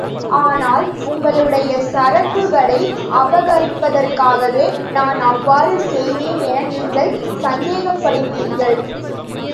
ஆனால், உங்களுடைய சரக்குகளை அபகரிப்பதற்காகவே நான் அவ்வாறு செய்தேன் என நீங்கள் சந்தேகப்படுவீர்கள்.